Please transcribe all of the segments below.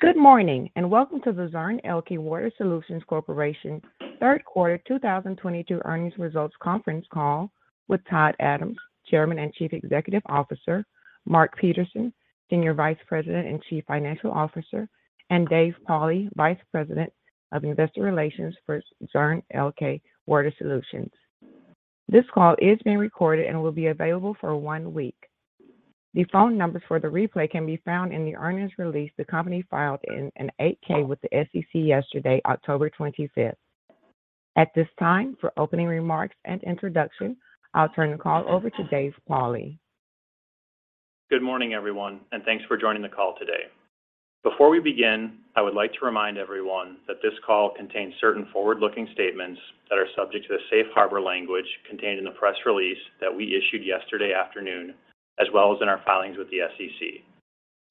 Good morning, and welcome to the Zurn Elkay Water Solutions Corporation third quarter 2022 earnings results conference call with Todd Adams, Chairman and Chief Executive Officer, Mark Peterson, Senior Vice President and Chief Financial Officer, and Dave Pauli, Vice President of Investor Relations for Zurn Elkay Water Solutions. This call is being recorded and will be available for one week. The phone numbers for the replay can be found in the earnings release the company filed in a Form 8-K with the SEC yesterday, October 25th. At this time, for opening remarks and introduction, I'll turn the call over to Dave Pauli. Good morning, everyone, and thanks for joining the call today. Before we begin, I would like to remind everyone that this call contains certain forward-looking statements that are subject to the safe harbor language contained in the press release that we issued yesterday afternoon as well as in our filings with the SEC.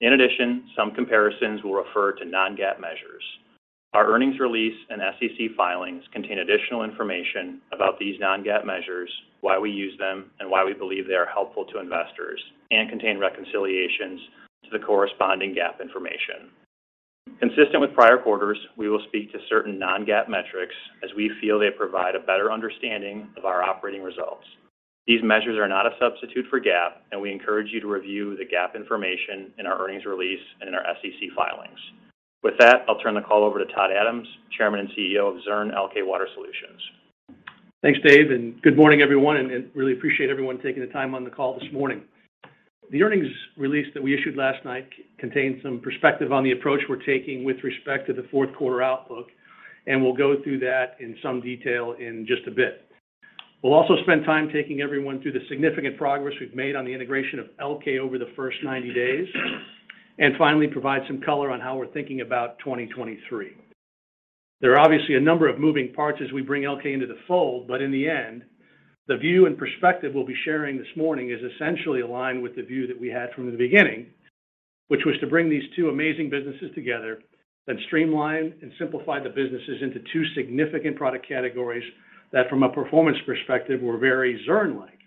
In addition, some comparisons will refer to non-GAAP measures. Our earnings release and SEC filings contain additional information about these non-GAAP measures, why we use them, and why we believe they are helpful to investors and contain reconciliations to the corresponding GAAP information. Consistent with prior quarters, we will speak to certain non-GAAP metrics as we feel they provide a better understanding of our operating results. These measures are not a substitute for GAAP, and we encourage you to review the GAAP information in our earnings release and in our SEC filings. With that, I'll turn the call over to Todd Adams, Chairman and CEO of Zurn Elkay Water Solutions. Thanks, Dave, and good morning, everyone, and really appreciate everyone taking the time on the call this morning. The earnings release that we issued last night contains some perspective on the approach we're taking with respect to the fourth quarter outlook, and we'll go through that in some detail in just a bit. We'll also spend time taking everyone through the significant progress we've made on the integration of Elkay over the first 90 days and finally provide some color on how we're thinking about 2023. There are obviously a number of moving parts as we bring Elkay into the fold, but in the end, the view and perspective we'll be sharing this morning is essentially aligned with the view that we had from the beginning, which was to bring these two amazing businesses together, then streamline and simplify the businesses into two significant product categories that, from a performance perspective, were very Zurn-like.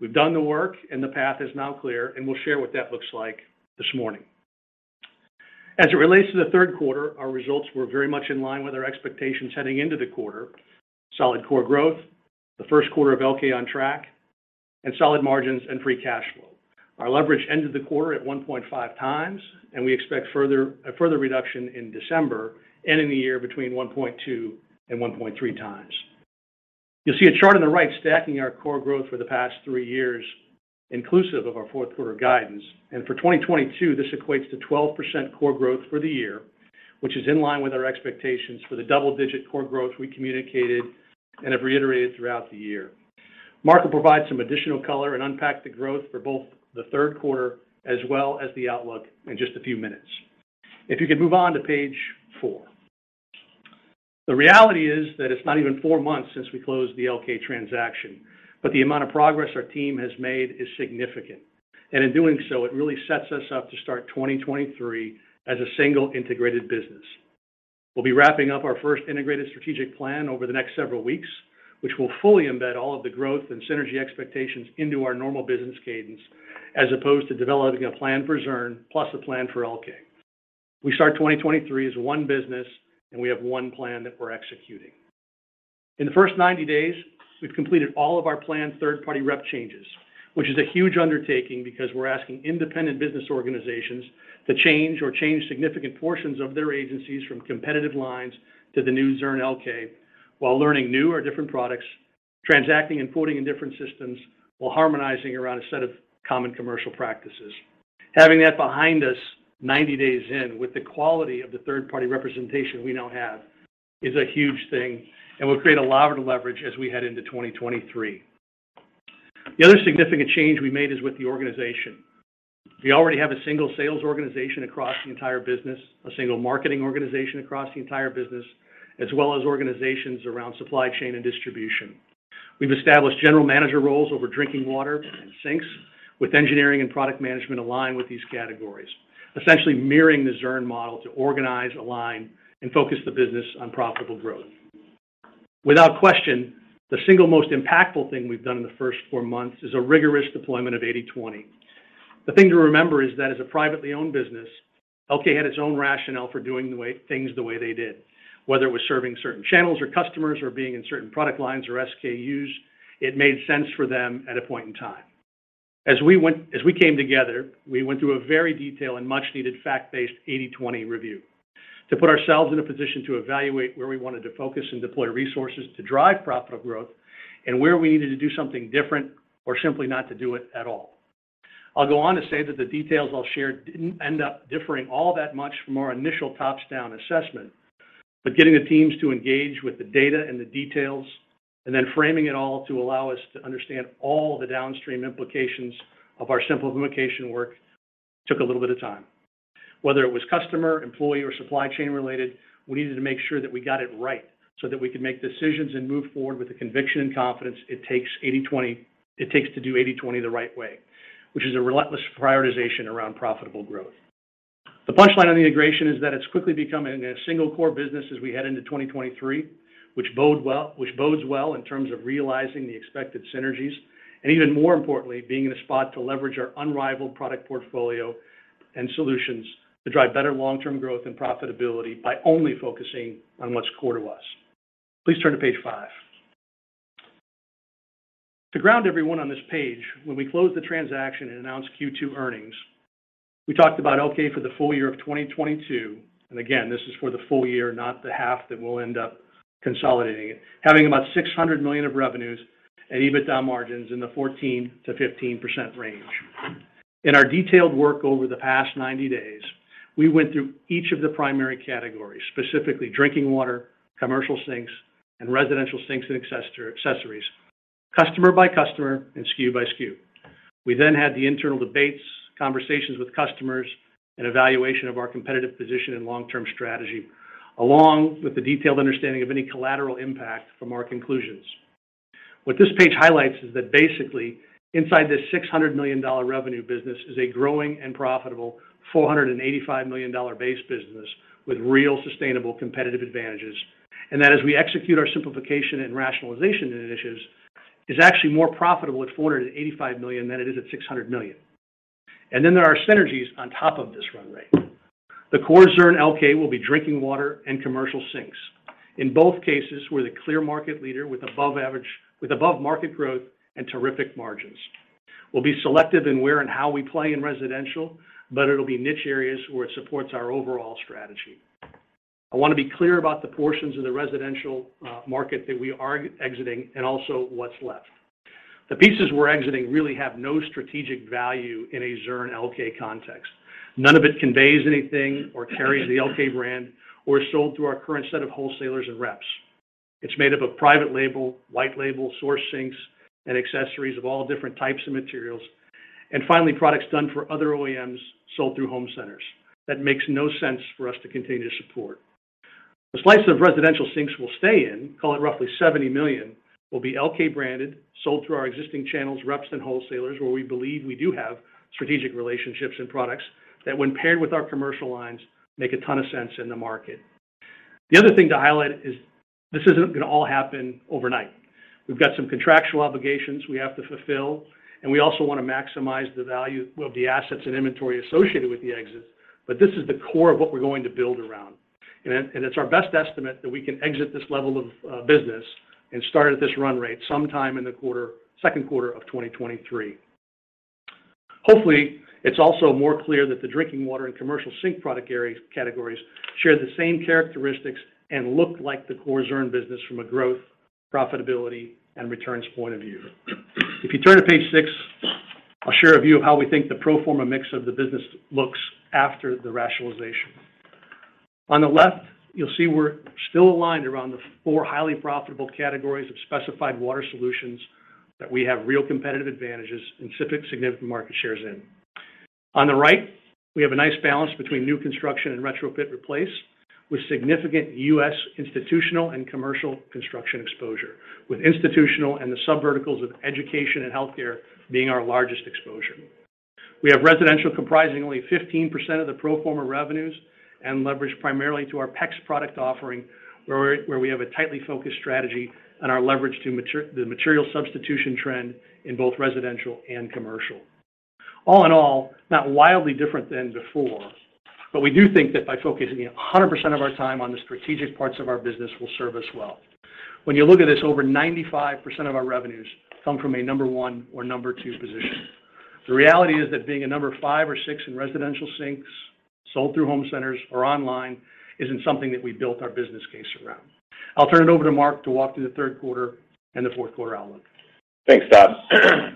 We've done the work, and the path is now clear, and we'll share what that looks like this morning. As it relates to the third quarter, our results were very much in line with our expectations heading into the quarter. Solid core growth, the first quarter of Elkay on track, and solid margins and free cash flow. Our leverage ended the quarter at 1.5 times, and we expect further reduction in December, ending the year between 1.2 and 1.3 times. You'll see a chart on the right stacking our core growth for the past three years, inclusive of our fourth quarter guidance. For 2022, this equates to 12% core growth for the year, which is in line with our expectations for the double-digit core growth we communicated and have reiterated throughout the year. Mark will provide some additional color and unpack the growth for both the third quarter as well as the outlook in just a few minutes. If you could move on to page four. The reality is that it's not even four months since we closed the Elkay transaction, but the amount of progress our team has made is significant. In doing so, it really sets us up to start 2023 as a single integrated business. We'll be wrapping up our first integrated strategic plan over the next several weeks, which will fully embed all of the growth and synergy expectations into our normal business cadence, as opposed to developing a plan for Zurn plus a plan for Elkay. We start 2023 as one business, and we have one plan that we're executing. In the first 90 days, we've completed all of our planned third-party rep changes, which is a huge undertaking because we're asking independent business organizations to change or change significant portions of their agencies from competitive lines to the new Zurn Elkay while learning new or different products, transacting and quoting in different systems, while harmonizing around a set of common commercial practices. Having that behind us 90 days in with the quality of the third-party representation we now have is a huge thing and will create a lot of leverage as we head into 2023. The other significant change we made is with the organization. We already have a single sales organization across the entire business, a single marketing organization across the entire business, as well as organizations around supply chain and distribution. We've established general manager roles over drinking water and sinks with engineering and product management aligned with these categories, essentially mirroring the Zurn model to organize, align, and focus the business on profitable growth. Without question, the single most impactful thing we've done in the first four months is a rigorous deployment of 80/20. The thing to remember is that as a privately owned business, Elkay had its own rationale for doing things the way they did. Whether it was serving certain channels or customers or being in certain product lines or SKUs, it made sense for them at a point in time. As we came together, we went through a very detailed and much-needed fact-based 80/20 review to put ourselves in a position to evaluate where we wanted to focus and deploy resources to drive profitable growth and where we needed to do something different or simply not to do it at all. I'll go on to say that the details I'll share didn't end up differing all that much from our initial top-down assessment, but getting the teams to engage with the data and the details and then framing it all to allow us to understand all the downstream implications of our simplification work took a little bit of time. Whether it was customer, employee, or supply chain related, we needed to make sure that we got it right so that we could make decisions and move forward with the conviction and confidence it takes to do 80/20 the right way, which is a relentless prioritization around profitable growth. The punchline on the integration is that it's quickly becoming a single core business as we head into 2023, which bodes well in terms of realizing the expected synergies, and even more importantly, being in a spot to leverage our unrivaled product portfolio and solutions to drive better long-term growth and profitability by only focusing on what's core to us. Please turn to page five. To ground everyone on this page, when we closed the transaction and announced Q2 earnings, we talked about Elkay for the full year of 2022, and again, this is for the full year, not the half that we'll end up consolidating it, having about $600 million of revenues at EBITDA margins in the 14%-15% range. In our detailed work over the past 90 days, we went through each of the primary categories, specifically drinking water, commercial sinks, and residential sinks and accessories, customer by customer and SKU by SKU. We then had the internal debates, conversations with customers, and evaluation of our competitive position and long-term strategy, along with the detailed understanding of any collateral impact from our conclusions. What this page highlights is that basically inside this $600 million revenue business is a growing and profitable $485 million base business with real sustainable competitive advantages. That as we execute our simplification and rationalization initiatives, is actually more profitable at $485 million than it is at $600 million. There are synergies on top of this run rate. The core Zurn Elkay will be drinking water and commercial sinks. In both cases, we're the clear market leader with above-market growth and terrific margins. We'll be selective in where and how we play in residential, but it'll be niche areas where it supports our overall strategy. I wanna be clear about the portions of the residential market that we are exiting and also what's left. The pieces we're exiting really have no strategic value in a Zurn Elkay context. None of it conveys anything or carries the Elkay brand or is sold through our current set of wholesalers and reps. It's made up of private label, white label, source sinks, and accessories of all different types of materials, and finally, products done for other OEMs sold through home centers that makes no sense for us to continue to support. The slice of residential sinks we'll stay in, call it roughly $70 million, will be Elkay-branded, sold through our existing channels, reps, and wholesalers, where we believe we do have strategic relationships and products that when paired with our commercial lines, make a ton of sense in the market. The other thing to highlight is this isn't gonna all happen overnight. We've got some contractual obligations we have to fulfill, and we also wanna maximize the value of the assets and inventory associated with the exits, but this is the core of what we're going to build around. It's our best estimate that we can exit this level of business and start at this run rate sometime in the second quarter of 2023. Hopefully, it's also more clear that the drinking water and commercial sink product areas, categories share the same characteristics and look like the core Zurn business from a growth, profitability, and returns point of view. If you turn to page six, I'll share a view of how we think the pro forma mix of the business looks after the rationalization. On the left, you'll see we're still aligned around the four highly profitable categories of specified water solutions that we have real competitive advantages and significant market shares in. On the right, we have a nice balance between new construction and retrofit replace with significant U.S. institutional and commercial construction exposure, with institutional and the subverticals of education and healthcare being our largest exposure. We have residential comprising only 15% of the pro forma revenues and leverage primarily to our PEX product offering, where we have a tightly focused strategy and are leveraged to the material substitution trend in both residential and commercial. All in all, not wildly different than before, but we do think that by focusing 100% of our time on the strategic parts of our business will serve us well. When you look at this, over 95% of our revenues come from a number one or number two position. The reality is that being a number five or six in residential sinks sold through home centers or online isn't something that we built our business case around. I'll turn it over to Mark to walk through the third quarter and the fourth quarter outlook. Thanks, Todd.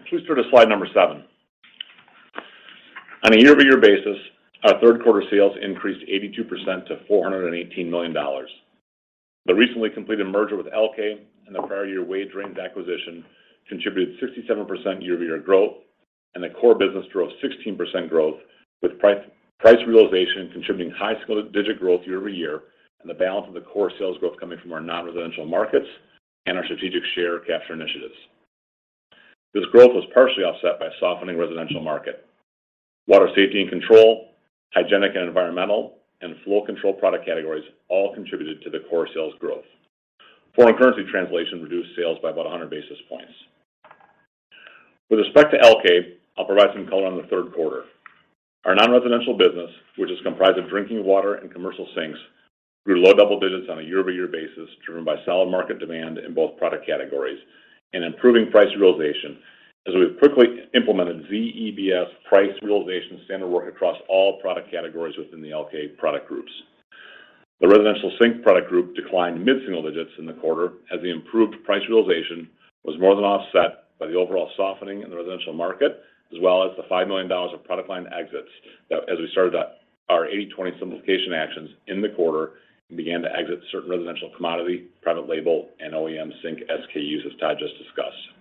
Please turn to slide seven. On a year-over-year basis, our third quarter sales increased 82% to $418 million. The recently completed merger with Elkay and the prior year Wade Drains acquisition contributed 67% year-over-year growth, and the core business drove 16% growth, with price realization contributing high single-digit growth year-over-year and the balance of the core sales growth coming from our non-residential markets and our strategic share capture initiatives. This growth was partially offset by a softening residential market. Water Safety and Control, Hygienic and Environmental, and Flow Systems product categories all contributed to the core sales growth. Foreign currency translation reduced sales by about 100 basis points. With respect to Elkay, I'll provide some color on the third quarter. Our non-residential business, which is comprised of drinking water and commercial sinks, grew low double digits on a year-over-year basis, driven by solid market demand in both product categories and improving price realization as we've quickly implemented ZEBS price realization standard work across all product categories within the Elkay product groups. The residential sink product group declined mid-single digits in the quarter as the improved price realization was more than offset by the overall softening in the residential market, as well as the $5 million of product line exits that, as we started our 80/20 simplification actions in the quarter and began to exit certain residential commodity, private label, and OEM sink SKUs, as Todd just discussed.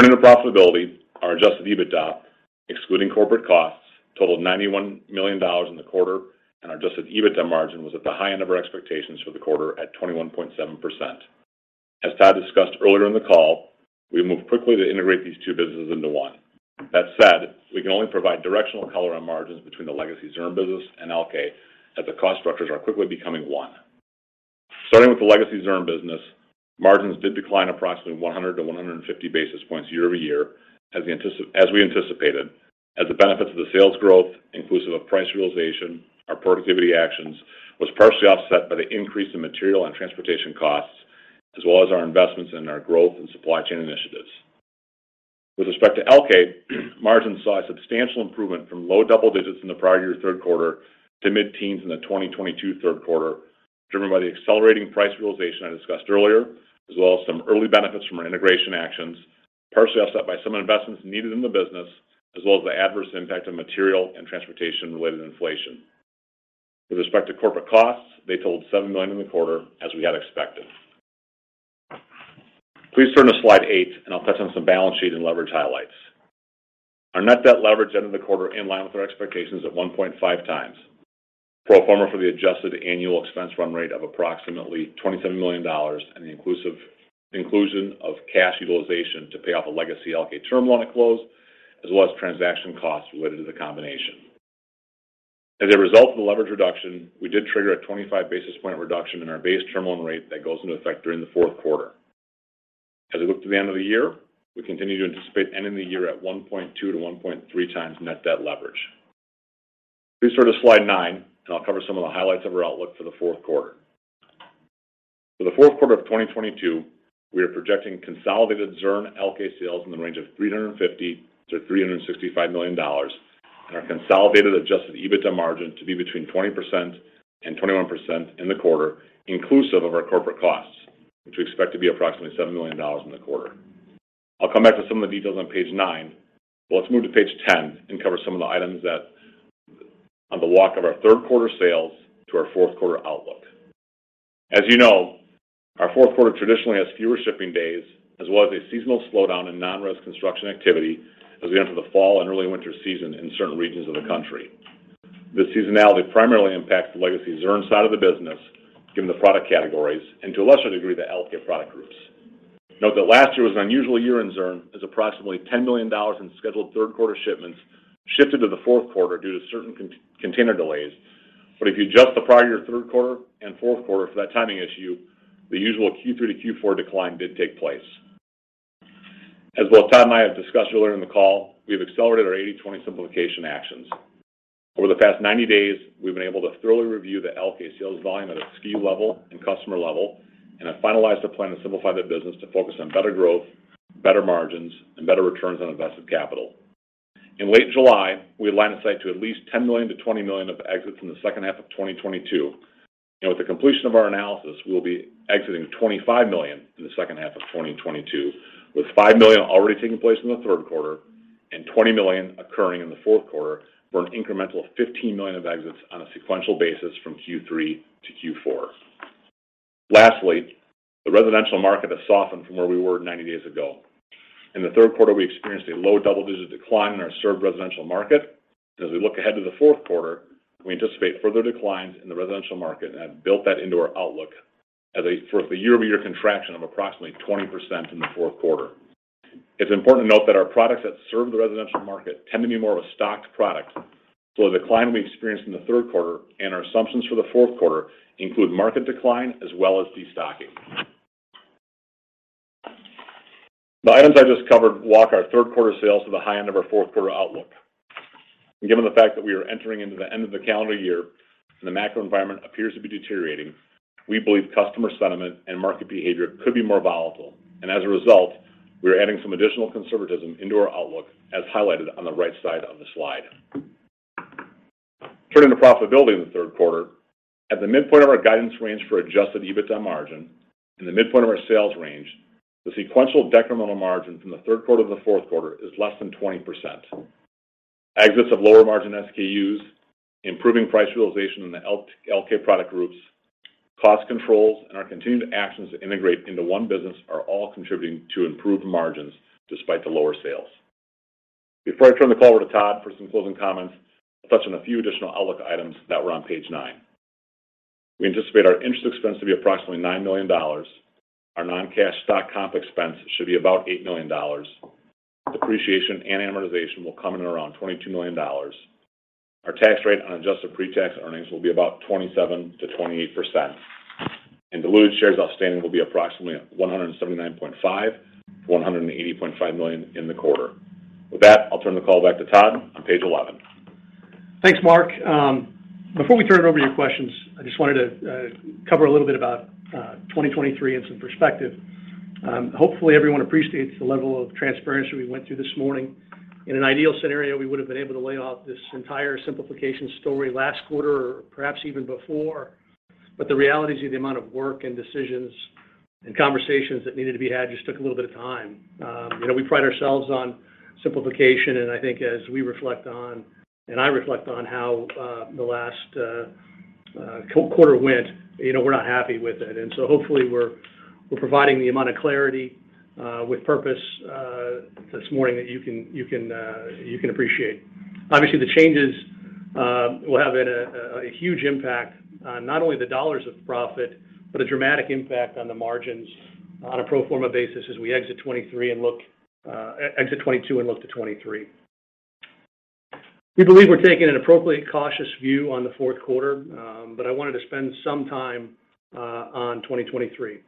Turning to profitability, our adjusted EBITDA, excluding corporate costs, totaled $91 million in the quarter, and our adjusted EBITDA margin was at the high end of our expectations for the quarter at 21.7%. As Todd discussed earlier in the call, we moved quickly to integrate these two businesses into one. That said, we can only provide directional color on margins between the legacy Zurn business and Elkay, as the cost structures are quickly becoming one. Starting with the legacy Zurn business. Margins did decline approximately 100 to 150 basis points year-over-year as we anticipated, as the benefits of the sales growth inclusive of price realization, our productivity actions was partially offset by the increase in material and transportation costs, as well as our investments in our growth and supply chain initiatives. With respect to Elkay, margins saw a substantial improvement from low double digits in the prior year third quarter to mid-teens in the 2022 third quarter, driven by the accelerating price realization I discussed earlier, as well as some early benefits from our integration actions, partially offset by some investments needed in the business, as well as the adverse impact of material and transportation-related inflation. With respect to corporate costs, they totaled $7 million in the quarter, as we had expected. Please turn to slide eight, and I'll touch on some balance sheet and leverage highlights. Our net debt leverage ended the quarter in line with our expectations of 1.5 times. Pro forma for the adjusted annual expense run rate of approximately $27 million and the inclusion of cash utilization to pay off a legacy Elkay term loan at close, as well as transaction costs related to the combination. As a result of the leverage reduction, we did trigger a 25 basis point reduction in our base term loan rate that goes into effect during the fourth quarter. As we look to the end of the year, we continue to anticipate ending the year at 1.2-1.3 times net debt leverage. Please turn to slide nine, and I'll cover some of the highlights of our outlook for the fourth quarter. For the fourth quarter of 2022, we are projecting consolidated Zurn Elkay sales in the range of $350 million-$365 million and our consolidated Adjusted EBITDA margin to be between 20% and 21% in the quarter, inclusive of our corporate costs, which we expect to be approximately $7 million in the quarter. I'll come back to some of the details on page nine. Let's move to page 10 and cover some of the items that are on the walk of our third quarter sales to our fourth quarter outlook. As you know, our fourth quarter traditionally has fewer shipping days as well as a seasonal slowdown in non-res construction activity as we enter the fall and early winter season in certain regions of the country. This seasonality primarily impacts the legacy Zurn side of the business, given the product categories, and to a lesser degree, the Elkay product groups. Note that last year was an unusual year in Zurn as approximately $10 million in scheduled third quarter shipments shifted to the fourth quarter due to certain container delays. If you adjust the prior year third quarter and fourth quarter for that timing issue, the usual Q3 to Q4 decline did take place. As both Todd and I have discussed earlier in the call, we have accelerated our 80/20 simplification actions. Over the past 90 days, we've been able to thoroughly review the Elkay sales volume at a SKU level and customer level, and have finalized a plan to simplify the business to focus on better growth, better margins, and better returns on invested capital. In late July, we aligned the size to at least $10 million-$20 million of exits in the second half of 2022. With the completion of our analysis, we'll be exiting $25 million in the second half of 2022, with $5 million already taking place in the third quarter and $20 million occurring in the fourth quarter for an incremental $15 million of exits on a sequential basis from Q3 to Q4. Lastly, the residential market has softened from where we were 90 days ago. In the third quarter, we experienced a low double-digit decline in our served residential market. As we look ahead to the fourth quarter, we anticipate further declines in the residential market and have built that into our outlook as for the year-over-year contraction of approximately 20% in the fourth quarter. It's important to note that our products that serve the residential market tend to be more of a stocked product. The decline we experienced in the third quarter and our assumptions for the fourth quarter include market decline as well as destocking. The items I just covered walk our third quarter sales to the high end of our fourth quarter outlook. Given the fact that we are entering into the end of the calendar year and the macro environment appears to be deteriorating, we believe customer sentiment and market behavior could be more volatile. As a result, we are adding some additional conservatism into our outlook as highlighted on the right side of the slide. Turning to profitability in the third quarter, at the midpoint of our guidance range for Adjusted EBITDA margin and the midpoint of our sales range, the sequential decremental margin from the third quarter to the fourth quarter is less than 20%. Exits of lower margin SKUs, improving price realization in the Elkay product groups, cost controls, and our continued actions to integrate into one business are all contributing to improved margins despite the lower sales. Before I turn the call over to Todd for some closing comments, I'll touch on a few additional outlook items that were on page nine. We anticipate our interest expense to be approximately $9 million. Our non-cash stock comp expense should be about $8 million. Depreciation and amortization will come in around $22 million. Our tax rate on adjusted pre-tax earnings will be about 27%-28%. Diluted shares outstanding will be approximately $179.5 million-$180.5 million in the quarter. With that, I'll turn the call back to Todd on page eleven. Thanks, Mark. Before we turn it over to your questions, I just wanted to cover a little bit about 2023 and some perspective. Hopefully everyone appreciates the level of transparency we went through this morning. In an ideal scenario, we would have been able to lay out this entire simplification story last quarter or perhaps even before. The realities of the amount of work and decisions and conversations that needed to be had just took a little bit of time. You know, we pride ourselves on simplification, and I think as we reflect on and I reflect on how the last quarter went, you know, we're not happy with it. Hopefully we're providing the amount of clarity with purpose this morning that you can appreciate. Obviously, the changes will have a huge impact on not only the dollars of profit, but a dramatic impact on the margins on a pro forma basis as we exit 2022 and look to 2023. We believe we're taking an appropriately cautious view on the fourth quarter, but I wanted to spend some time on 2023.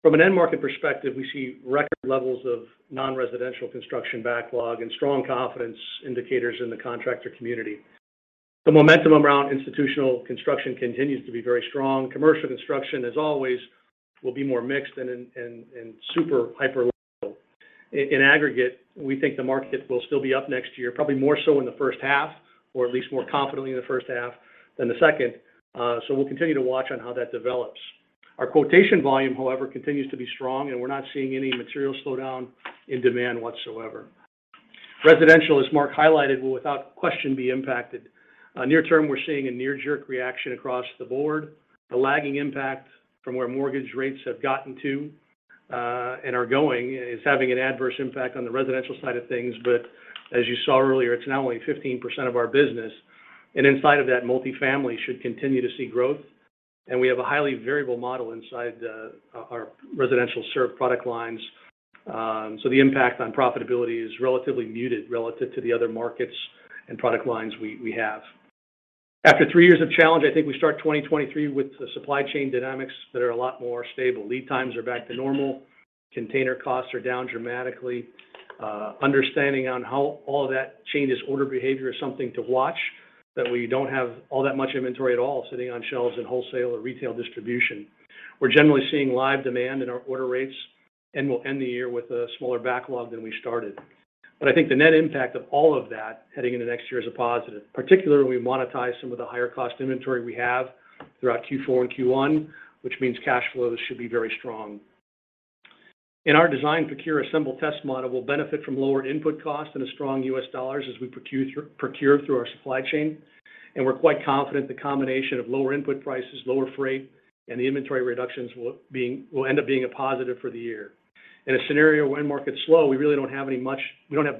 From an end market perspective, we see record levels of non-residential construction backlog and strong confidence indicators in the contractor community. The momentum around institutional construction continues to be very strong. Commercial construction, as always, will be more mixed and super hyperlocal. In aggregate, we think the market will still be up next year, probably more so in the first half, or at least more confidently in the first half than the second. We'll continue to watch on how that develops. Our quotation volume, however, continues to be strong, and we're not seeing any material slowdown in demand whatsoever. Residential, as Mark highlighted, will without question be impacted. Near term, we're seeing a knee-jerk reaction across the board. The lagging impact from where mortgage rates have gotten to and are going is having an adverse impact on the residential side of things. As you saw earlier, it's now only 15% of our business. Inside of that, multifamily should continue to see growth. We have a highly variable model inside our residential served product lines. The impact on profitability is relatively muted relative to the other markets and product lines we have. After three years of challenge, I think we start 2023 with the supply chain dynamics that are a lot more stable. Lead times are back to normal. Container costs are down dramatically. Understanding on how all that changes order behavior is something to watch, that we don't have all that much inventory at all sitting on shelves in wholesale or retail distribution. We're generally seeing live demand in our order rates, and we'll end the year with a smaller backlog than we started. I think the net impact of all of that heading into next year is a positive, particularly when we monetize some of the higher cost inventory we have throughout Q4 and Q1, which means cash flows should be very strong. In our design, procure, assemble, test model, we'll benefit from lower input costs and a strong U.S. dollar as we procure through our supply chain. We're quite confident the combination of lower input prices, lower freight, and the inventory reductions will end up being a positive for the year. In a scenario when markets slow, we really don't have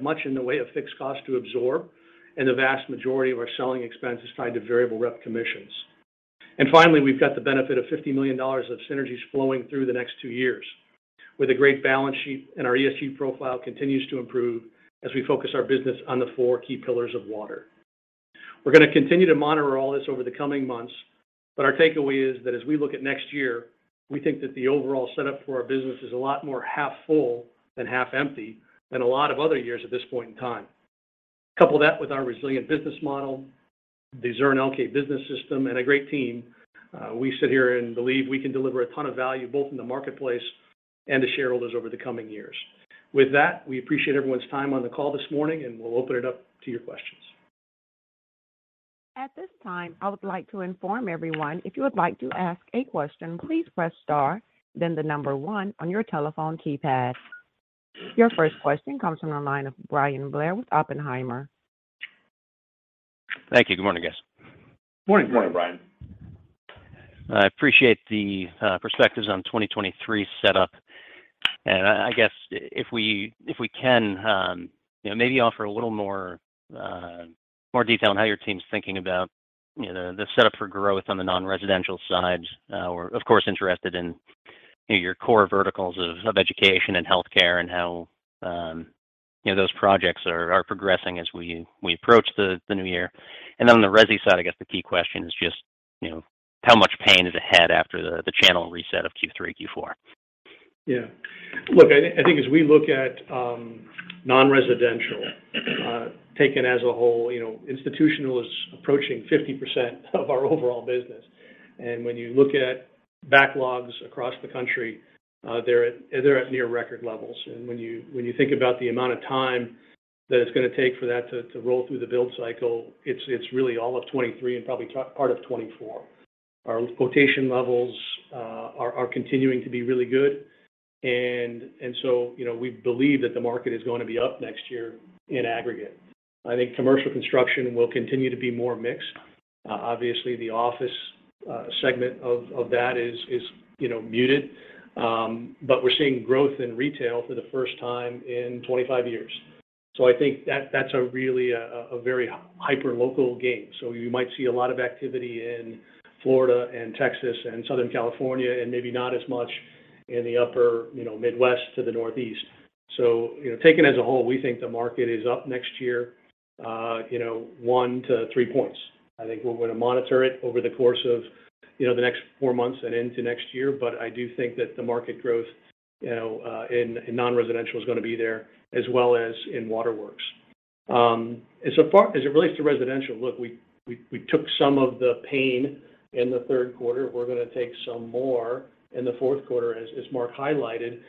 much in the way of fixed costs to absorb, and the vast majority of our selling expense is tied to variable rep commissions. Finally, we've got the benefit of $50 million of synergies flowing through the next two years with a great balance sheet, and our ESG profile continues to improve as we focus our business on the four key pillars of water. We're gonna continue to monitor all this over the coming months, but our takeaway is that as we look at next year, we think that the overall setup for our business is a lot more half full than half empty than a lot of other years at this point in time. Couple that with our resilient business model, the Zurn Elkay Business System, and a great team, we sit here and believe we can deliver a ton of value both in the marketplace and to shareholders over the coming years. With that, we appreciate everyone's time on the call this morning, and we'll open it up to your questions. At this time, I would like to inform everyone if you would like to ask a question, please press star, then the number one on your telephone keypad. Your first question comes from the line of Bryan Blair with Oppenheimer. Thank you. Good morning, guys. Morning. Morning, Bryan. I appreciate the perspectives on 2023 setup. I guess if we can, you know, maybe offer a little more detail on how your team's thinking about, you know, the setup for growth on the non-residential sides. We're of course interested in, you know, your core verticals of education and healthcare and how, you know, those projects are progressing as we approach the new year. On the resi side, I guess the key question is just, you know, how much pain is ahead after the channel reset of Q3, Q4? Yeah. Look, I think as we look at non-residential taken as a whole, you know, institutional is approaching 50% of our overall business. When you look at backlogs across the country, they're at near record levels. When you think about the amount of time that it's gonna take for that to roll through the build cycle, it's really all of 2023 and probably part of 2024. Our quotation levels are continuing to be really good. So, you know, we believe that the market is going to be up next year in aggregate. I think commercial construction will continue to be more mixed. Obviously the office segment of that is, you know, muted. But we're seeing growth in retail for the first time in 25 years. I think that's really a very hyperlocal game. You might see a lot of activity in Florida and Texas and Southern California, and maybe not as much in the upper, you know, Midwest to the Northeast. You know, taken as a whole, we think the market is up next year 1%-3%. I think we're gonna monitor it over the course of, you know, the next four months and into next year. I do think that the market growth, you know, in non-residential is gonna be there as well as in waterworks. As far as it relates to residential, look, we took some of the pain in the third quarter. We're gonna take some more in the fourth quarter as Mark highlighted.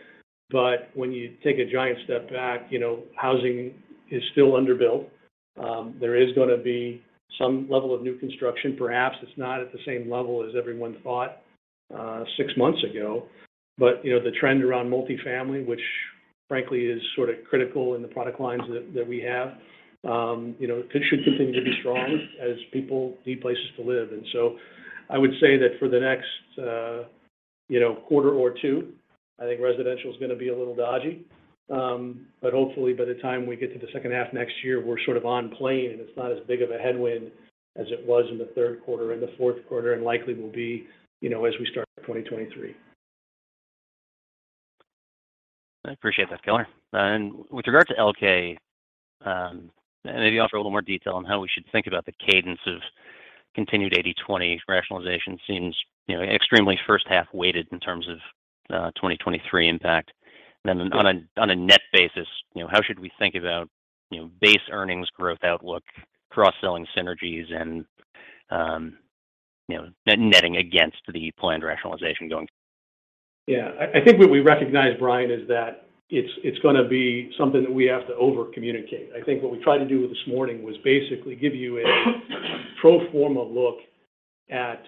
When you take a giant step back, you know, housing is still underbuilt. There is gonna be some level of new construction. Perhaps it's not at the same level as everyone thought, six months ago. But, you know, the trend around multifamily, which frankly is sort of critical in the product lines that we have, you know, should continue to be strong as people need places to live. And so I would say that for the next, you know, quarter or two, I think residential is gonna be a little dodgy. But hopefully by the time we get to the second half next year, we're sort of on plane, and it's not as big of a headwind as it was in the third quarter and the fourth quarter, and likely will be, you know, as we start 2023 I appreciate that, [Keller]. With regard to Elkay, maybe offer a little more detail on how we should think about the cadence of continued 80/20 rationalization seems, you know, extremely first half weighted in terms of, 2023 impact. Then on a net basis, you know, how should we think about, you know, base earnings growth outlook, cross-selling synergies, and, you know, netting against the planned rationalization going- Yeah. I think what we recognize, Bryan, is that it's gonna be something that we have to over-communicate. I think what we tried to do this morning was basically give you a pro forma look at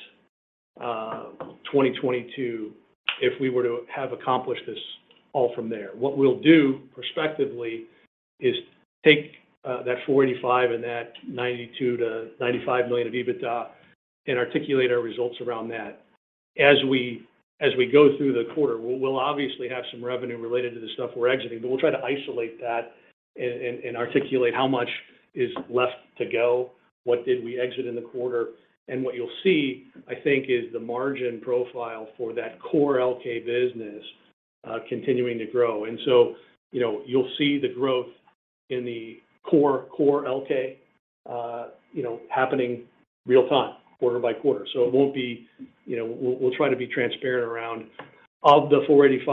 2022 if we were to have accomplished this all from there. What we'll do prospectively is take that $485 million and that $92 million-$95 million of EBITDA and articulate our results around that. As we go through the quarter, we'll obviously have some revenue related to the stuff we're exiting, but we'll try to isolate that and articulate how much is left to go, what did we exit in the quarter. What you'll see, I think, is the margin profile for that core Elkay business continuing to grow. You know, you'll see the growth in the core Elkay happening real time, quarter by quarter. It won't be. You know, we'll try to be transparent around what of the $485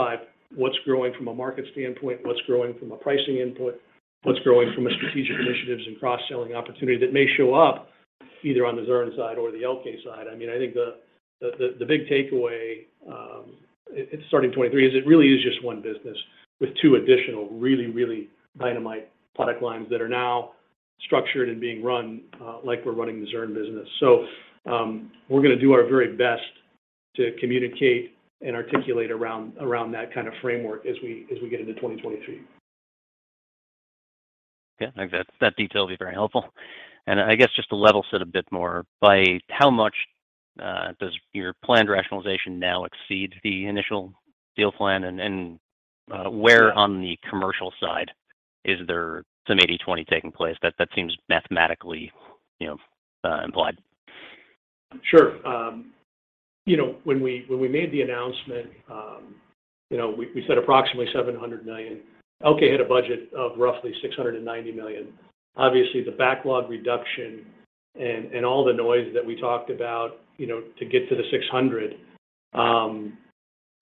million is growing from a market standpoint, what's growing from a pricing input, what's growing from strategic initiatives and cross-selling opportunity that may show up either on the Zurn side or the Elkay side. I mean, I think the big takeaway starting 2023 is it really is just one business with two additional really, really dynamite product lines that are now structured and being run like we're running the Zurn business. We're gonna do our very best to communicate and articulate around that kind of framework as we get into 2023. Yeah. I think that detail will be very helpful. I guess just to level set a bit more, by how much does your planned rationalization now exceed the initial deal plan? Where on the commercial side is there some 80/20 taking place? That seems mathematically, you know, implied. Sure. You know, when we made the announcement, you know, we said approximately $700 million. Elkay had a budget of roughly $690 million. Obviously, the backlog reduction and all the noise that we talked about, you know, to get to the $600 million,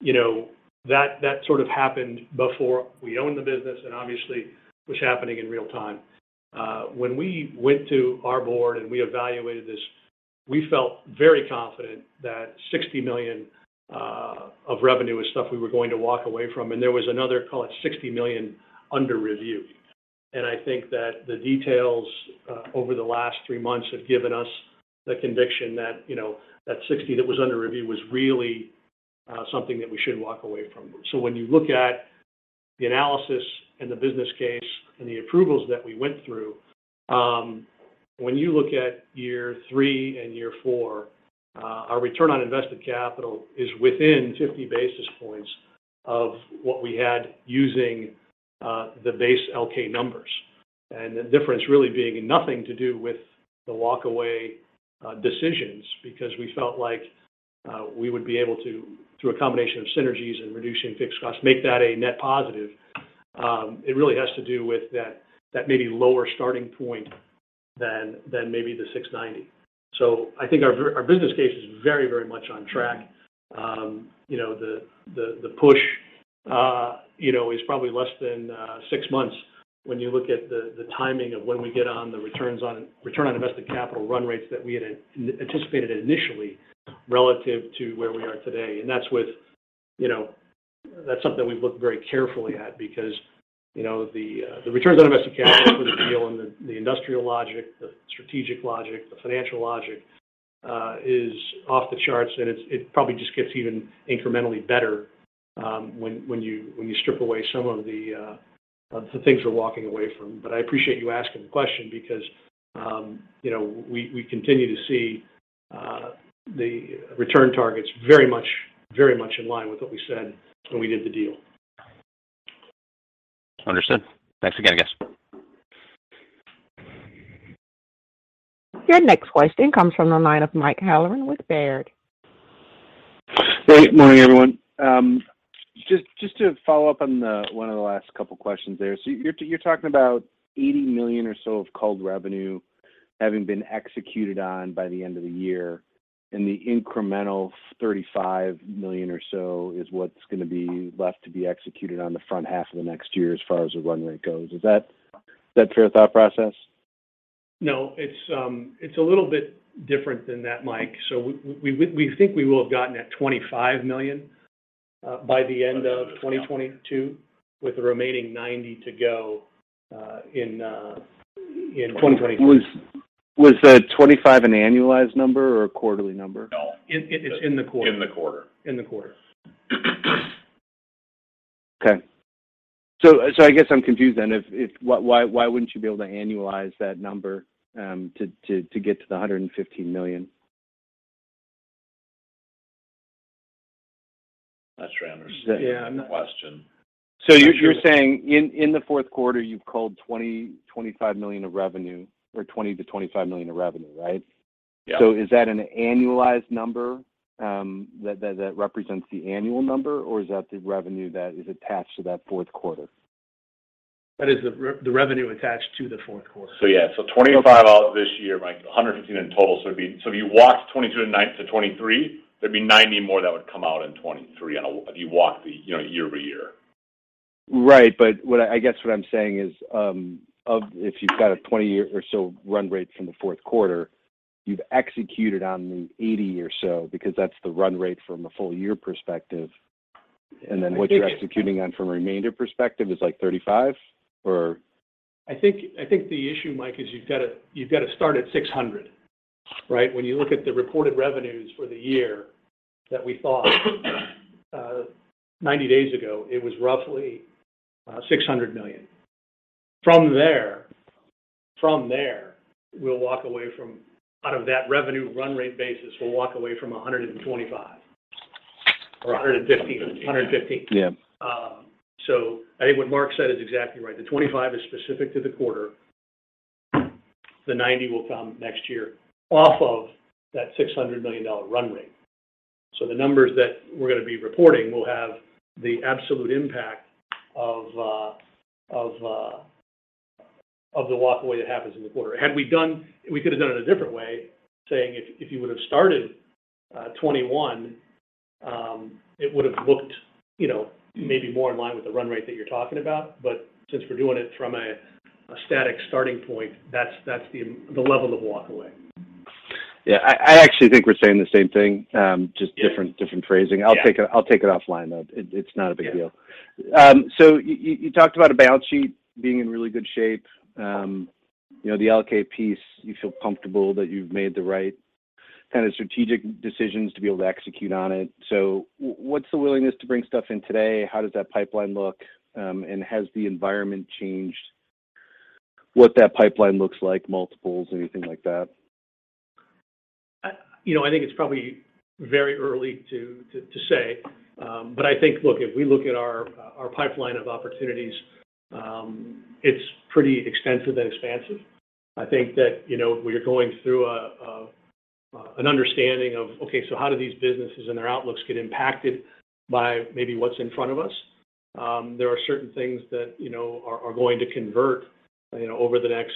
you know, that sort of happened before we owned the business, and obviously was happening in real time. When we went to our board and we evaluated this, we felt very confident that $60 million of revenue is stuff we were going to walk away from. There was another, call it $60 million under review. I think that the details over the last three months have given us the conviction that, you know, that $60 million that was under review was really something that we should walk away from. When you look at the analysis and the business case and the approvals that we went through, when you look at year three and year four, our return on invested capital is within 50 basis points of what we had using the base Elkay numbers. The difference really being nothing to do with the walk away decisions because we felt like we would be able to, through a combination of synergies and reducing fixed costs, make that a net positive. It really has to do with that maybe lower starting point than maybe the 690. I think our business case is very, very much on track. You know, the push is probably less than six months when you look at the timing of when we get on the return on invested capital run rates that we had anticipated initially relative to where we are today. That's something we've looked very carefully at because, you know, the returns on invested capital for the deal and the industrial logic, the strategic logic, the financial logic is off the charts, and it probably just gets even incrementally better when you strip away some of the things we're walking away from. I appreciate you asking the question because, you know, we continue to see the return targets very much, very much in line with what we said when we did the deal. Understood. Thanks again, guys. Your next question comes from the line of Mike Halloran with Baird. Good morning, everyone. Just to follow up on one of the last couple questions there. You're talking about $80 million or so of culled revenue having been executed on by the end of the year, and the incremental $35 million or so is what's gonna be left to be executed on the front half of the next year as far as the run rate goes. Is that fair thought process? No. It's a little bit different than that, Mike. We think we will have gotten that $25 million by the end of 2022, with the remaining $90 million to go in 2023. Was the $25 million an annualized number or a quarterly number? No. It's in the quarter. In the quarter. In the quarter. I guess I'm confused then. Why wouldn't you be able to annualize that number to get to the $115 million? I just wanna understand the question. You're saying in the fourth quarter, you've culled $20 million-$25 million of revenue, right? Is that an annualized number that represents the annual number, or is that the revenue that is attached to that fourth quarter? That is the revenue attached to the fourth quarter. $25 million this year, Mike, $115 million in total. It'd be. If you walked 2022 to 2029 to 2023, there'd be $90 million more that would come out in 2023 if you walk the, you know, year-over-year. Right. What I guess what I'm saying is, if you've got a 20-year or so run rate from the fourth quarter, you've executed on the $80 million or so because that's the run rate from a full year perspective. Then what you're executing on from a remainder perspective is like $35 million, or? I think the issue, Mike, is you've got to start at $600 million, right? When you look at the reported revenues for the year that we thought 90 days ago, it was roughly $600 million. From there, out of that revenue run rate basis, we'll walk away from $125 million or $115 million. $115 million. Yeah. I think what Mark said is exactly right. The $25 million is specific to the quarter. The $90 million will come next year off of that $600 million run rate. The numbers that we're going to be reporting will have the absolute impact of the walk away that happens in the quarter. We could have done it a different way, saying if you would have started 2021, it would have looked, you know, maybe more in line with the run rate that you're talking about. Since we're doing it from a static starting point, that's the level of walk away. Yeah. I actually think we're saying the same thing, just different phrasing. Yeah. I'll take it offline, though. It's not a big deal. Yeah. You talked about a balance sheet being in really good shape. You know, the Elkay piece, you feel comfortable that you've made the right kind of strategic decisions to be able to execute on it. What's the willingness to bring stuff in today? How does that pipeline look? And has the environment changed what that pipeline looks like, multiples, anything like that? You know, I think it's probably very early to say. I think, look, if we look at our pipeline of opportunities, it's pretty extensive and expansive. I think that, you know, we are going through an understanding of, okay, so how do these businesses and their outlooks get impacted by maybe what's in front of us? There are certain things that, you know, are going to convert, you know, over the next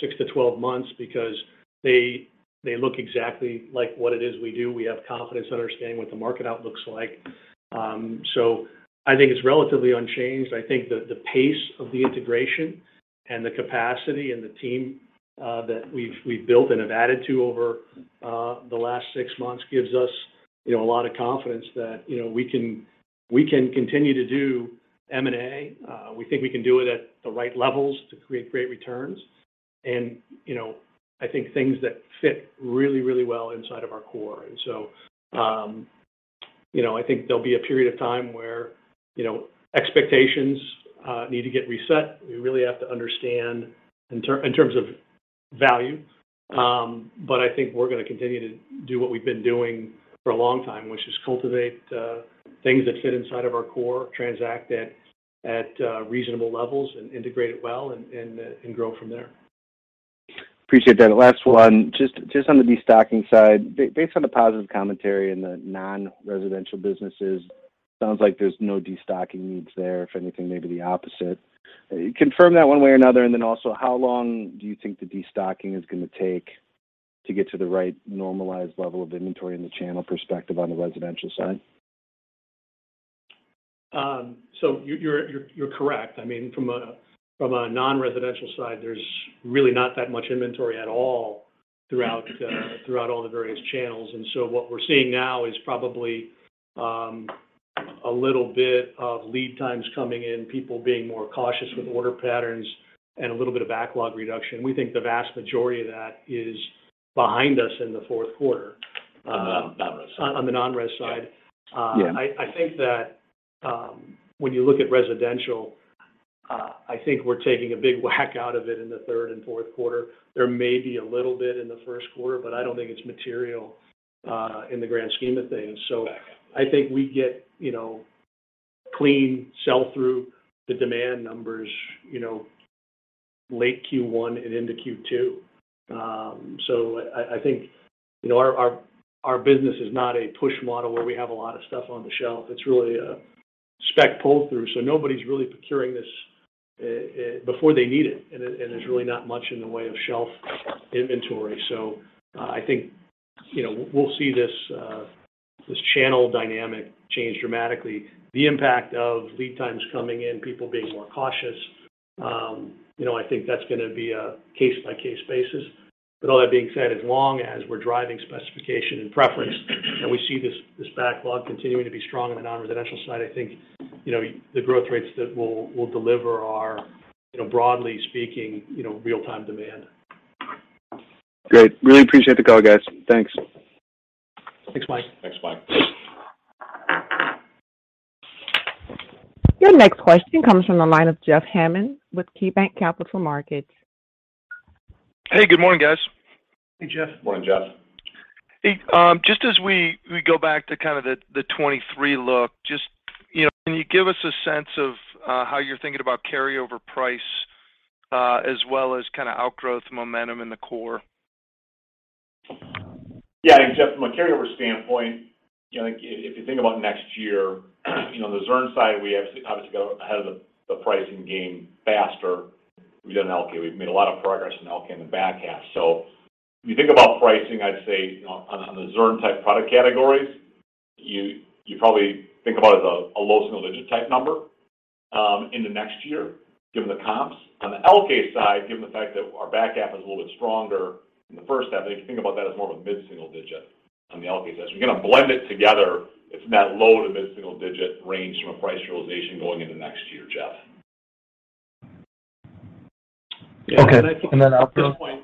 six to 12 months because they look exactly like what it is we do. We have confidence understanding what the market outlook's like. I think it's relatively unchanged. I think the pace of the integration and the capacity and the team that we've built and have added to over the last six months gives us, you know, a lot of confidence that, you know, we can continue to do M&A. We think we can do it at the right levels to create great returns and, you know, I think things that fit really well inside of our core. I think there'll be a period of time where, you know, expectations need to get reset. We really have to understand in terms of value. I think we're going to continue to do what we've been doing for a long time, which is cultivate things that fit inside of our core, transact at reasonable levels, and integrate it well and grow from there. Appreciate that. Last one. Just on the destocking side, based on the positive commentary in the non-residential businesses, sounds like there's no destocking needs there. If anything, maybe the opposite. Confirm that one way or another, and then also how long do you think the destocking is going to take to get to the right normalized level of inventory in the channel perspective on the residential side? You're correct. I mean, from a non-residential side, there's really not that much inventory at all throughout all the various channels. What we're seeing now is probably a little bit of lead times coming in, people being more cautious with order patterns and a little bit of backlog reduction. We think the vast majority of that is behind us in the fourth quarter. On the non-res side. On the non-res side. Yeah. I think that when you look at residential, I think we're taking a big whack out of it in the third and fourth quarter. There may be a little bit in the first quarter, but I don't think it's material in the grand scheme of things. I think we get, you know, clean sell through the demand numbers, you know, late Q1 and into Q2. I think, you know, our business is not a push model where we have a lot of stuff on the shelf. It's really a spec pull through. Nobody's really procuring this before they need it. There's really not much in the way of shelf inventory. I think, you know, we'll see this channel dynamic change dramatically. The impact of lead times coming in, people being more cautious, you know, I think that's gonna be a case-by-case basis. All that being said, as long as we're driving specification and preference and we see this backlog continuing to be strong on the non-residential side, I think, you know, the growth rates that we'll deliver are, you know, broadly speaking, you know, real-time demand. Great. Really appreciate the call, guys. Thanks. Thanks, Mike. Thanks, Mike. Your next question comes from the line of Jeff Hammond with KeyBanc Capital Markets. Hey, good morning, guys. Hey, Jeff. Morning, Jeff. Hey, just as we go back to kind of the 2023 look, just, you know, can you give us a sense of how you're thinking about carryover price, as well as kinda outgrowth momentum in the core? Yeah. Jeff, from a carryover standpoint, you know, if you think about next year, you know, on the Zurn side, we obviously got ahead of the pricing game faster. We did on Elkay. We've made a lot of progress on Elkay in the back half. If you think about pricing, I'd say, you know, on the Zurn-type product categories, you probably think about it as a low single digit type number into next year given the comps. On the Elkay side, given the fact that our back half is a little bit stronger in the first half, I think you can think about that as more of a mid-single digit on the Elkay side. We're gonna blend it together. It's in that low to mid-single digit range from a price realization going into next year, Jeff. Okay. Outgrowth? I think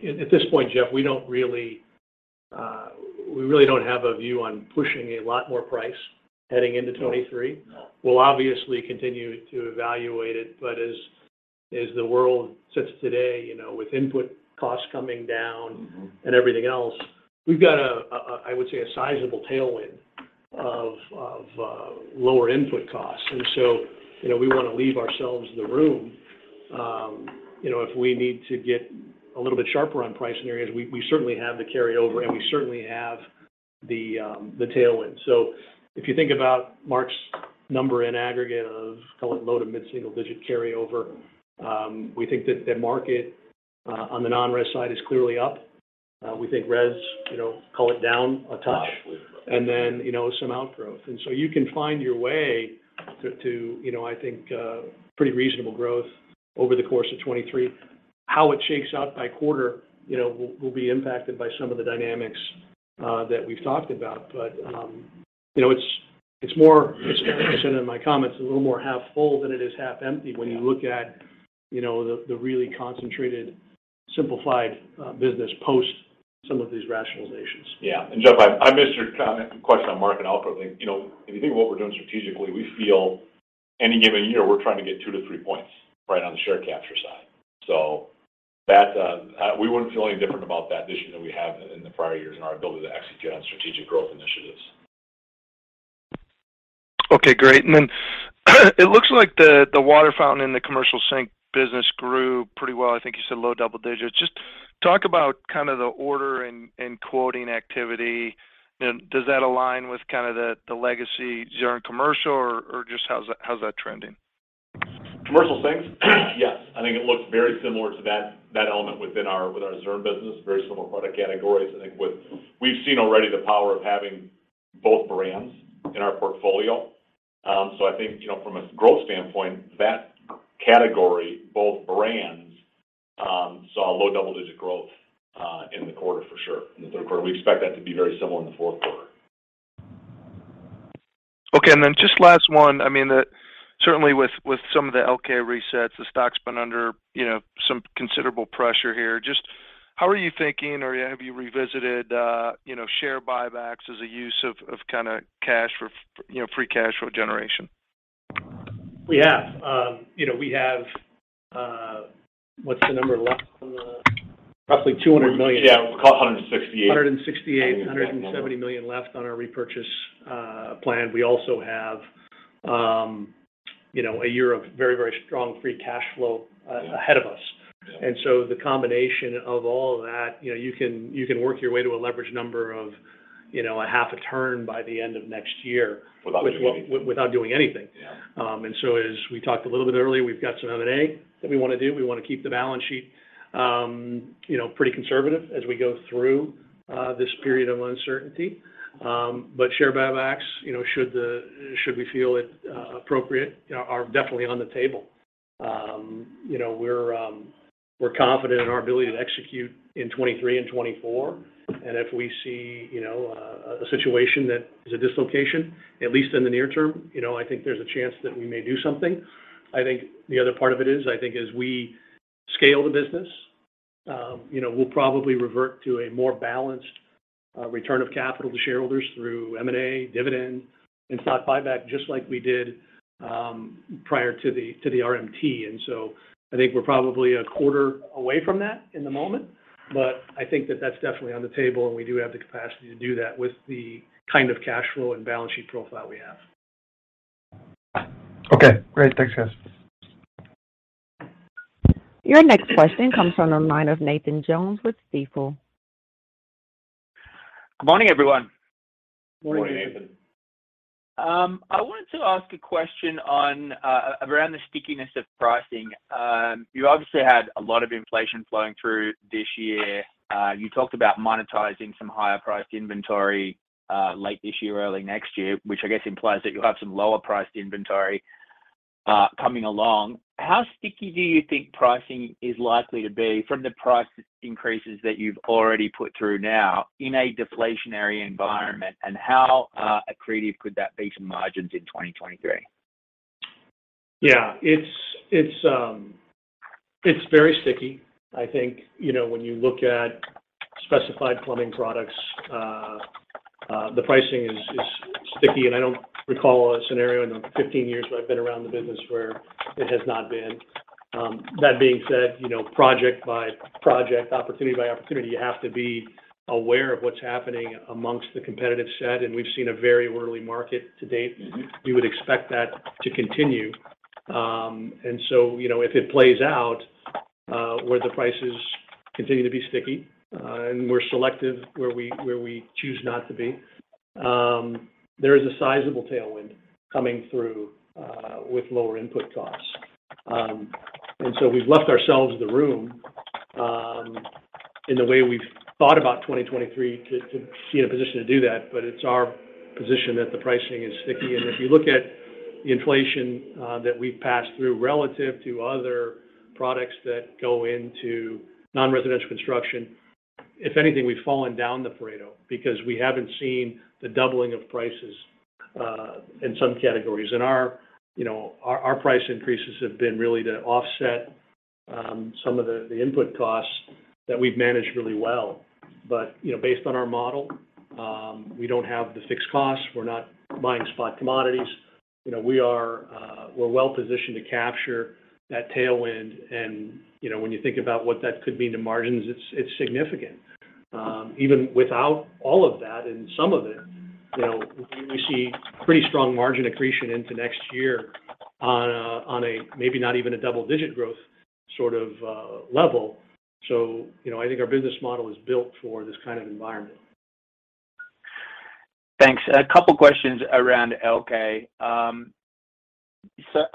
at this point, Jeff, we really don't have a view on pushing a lot more price heading into 2023. No. We'll obviously continue to evaluate it, but as the world sits today, you know, with input costs coming down and everything else, we've got a sizable tailwind of lower input costs. We wanna leave ourselves the room, you know, if we need to get a little bit sharper on price in areas, we certainly have the carryover, and we certainly have the tailwind. If you think about Mark's number in aggregate of, call it low- to mid-single-digit carryover, we think that market on the non-res side is clearly up. We think Rev's, you know, call it down a touch. Absolutely. Then, you know, some outgrowth. You can find your way to, you know, I think, pretty reasonable growth over the course of 2023. How it shakes out by quarter, you know, will be impacted by some of the dynamics that we've talked about. You know, it's more. As I said in my comments, a little more half full than it is half empty when you look at, you know, the really concentrated simplified business post some of these rationalizations. Yeah. Jeff, I missed your comment, question on market outgrowth. I think, you know, if you think of what we're doing strategically, we feel any given year we're trying to get two to three points right on the share capture side. So that we wouldn't feel any different about that vision that we have in the prior years and our ability to execute on strategic growth initiatives. Okay, great. It looks like the water fountain and the commercial sink business grew pretty well. I think you said low double digits. Just talk about kind of the order and quoting activity. Does that align with kind of the legacy Zurn commercial, or just how's that trending? Commercial sinks, yes. I think it looks very similar to that element within our Zurn business. Very similar product categories. I think we've seen already the power of having both brands in our portfolio. I think, you know, from a growth standpoint, that category, both brands saw low double-digit growth in the quarter for sure, in the third quarter. We expect that to be very similar in the fourth quarter. Okay. Then just last one, I mean, certainly with some of the Elkay resets, the stock's been under, you know, some considerable pressure here. Just how are you thinking or have you revisited, you know, share buybacks as a use of kinda cash for, you know, free cash flow generation? We have. You know, what's the number left on the roughly $200 million. Yeah. It was about $168 million. I think is that number. $170 million left on our repurchase plan. We also have, you know, a year of very, very strong free cash flow ahead of us. Yeah. The combination of all of that, you know, you can work your way to a leverage number of, you know, a half a turn by the end of next year without doing anything. Yeah. As we talked a little bit earlier, we've got some M&A that we wanna do. We wanna keep the balance sheet, you know, pretty conservative as we go through this period of uncertainty. Share buybacks, you know, should we feel it appropriate, you know, are definitely on the table. You know, we're confident in our ability to execute in 2023 and 2024. If we see, you know, a situation that is a dislocation, at least in the near term, you know, I think there's a chance that we may do something. I think the other part of it is, I think as we scale the business, you know, we'll probably revert to a more balanced return of capital to shareholders through M&A, dividend, and stock buyback, just like we did prior to the RMT. I think we're probably a quarter away from that in the moment, but I think that that's definitely on the table, and we do have the capacity to do that with the kind of cash flow and balance sheet profile we have. Okay, great. Thanks, guys. Your next question comes from the line of Nathan Jones with Stifel. Good morning, everyone. Morning. Morning, Nathan. I wanted to ask a question on around the stickiness of pricing. You obviously had a lot of inflation flowing through this year. You talked about monetizing some higher priced inventory late this year, early next year, which I guess implies that you'll have some lower priced inventory coming along. How sticky do you think pricing is likely to be from the price increases that you've already put through now in a deflationary environment, and how accretive could that be to margins in 2023? Yeah. It's very sticky. I think, you know, when you look at specified plumbing products, the pricing is sticky, and I don't recall a scenario in the 15 years that I've been around the business where it has not been. That being said, you know, project by project, opportunity by opportunity, you have to be aware of what's happening amongst the competitive set, and we've seen a very worldly market to date. You would expect that to continue. If it plays out where the prices continue to be sticky and we're selective where we choose not to be, there is a sizable tailwind coming through with lower input costs. We've left ourselves the room in the way we've thought about 2023 to be in a position to do that. It's our position that the pricing is sticky. If you look at the inflation that we've passed through relative to other products that go into non-residential construction, if anything, we've fallen down the Pareto because we haven't seen the doubling of prices in some categories. Our, you know, price increases have been really to offset some of the input costs that we've managed really well. You know, based on our model, we don't have the fixed costs. We're not buying spot commodities. You know, we're well-positioned to capture that tailwind. You know, when you think about what that could mean to margins, it's significant. Even without all of that and some of it, you know, we see pretty strong margin accretion into next year on a maybe not even a double-digit growth sort of level. You know, I think our business model is built for this kind of environment. Thanks. A couple questions around Elkay. I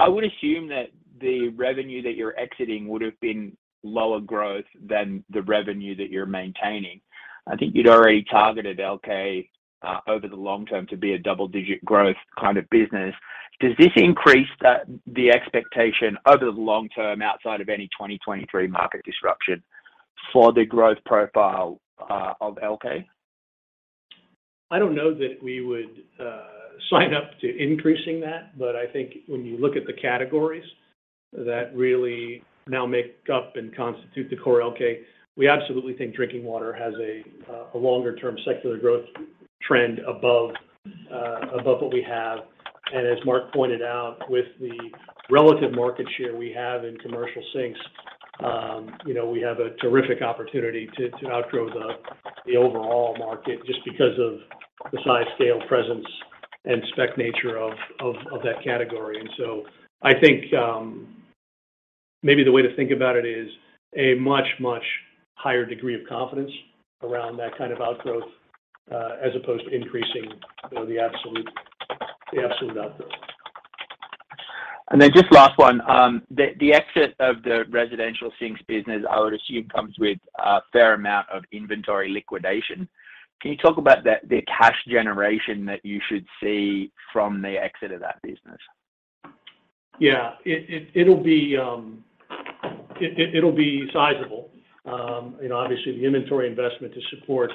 would assume that the revenue that you're exiting would have been lower growth than the revenue that you're maintaining. I think you'd already targeted Elkay over the long term to be a double-digit growth kind of business. Does this increase the expectation over the long term outside of any 2023 market disruption for the growth profile of Elkay? I don't know that we would sign up to increasing that. I think when you look at the categories that really now make up and constitute the core Elkay, we absolutely think drinking water has a longer-term secular growth trend above what we have. As Mark pointed out, with the relative market share we have in commercial sinks, you know, we have a terrific opportunity to outgrow the overall market just because of the size, scale, presence, and spec nature of that category. I think maybe the way to think about it is a much higher degree of confidence around that kind of outgrowth as opposed to increasing, you know, the absolute outgrowth. Then just last one. The exit of the residential sinks business, I would assume, comes with a fair amount of inventory liquidation. Can you talk about the cash generation that you should see from the exit of that business? Yeah. It'll be sizable. You know, obviously the inventory investment to support